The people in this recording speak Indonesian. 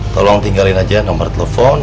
tolong tinggalin aja nomor telepon